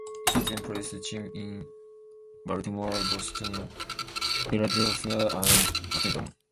He then placed teams in Baltimore, Boston, Philadelphia and Washington.